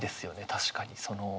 確かに。